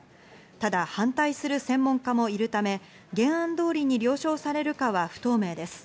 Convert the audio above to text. ただ反対する専門家もいるため、原案通りに了承されるかは不透明です。